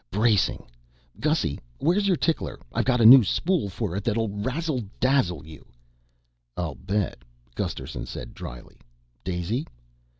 "Bracing! Gussy, where's your tickler? I've got a new spool for it that'll razzle dazzle you." "I'll bet," Gusterson said drily. "Daisy?"